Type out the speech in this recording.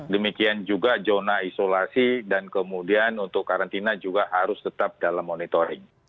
demikian juga zona isolasi dan kemudian untuk karantina juga harus tetap dalam monitoring